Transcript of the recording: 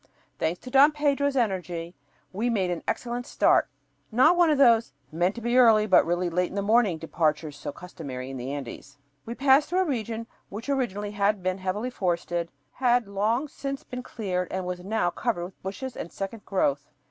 Thanks to Don Pedro's energy, we made an excellent start; not one of those meant to be early but really late in the morning departures so customary in the Andes. We passed through a region which originally had been heavily forested, had long since been cleared, and was now covered with bushes and second growth.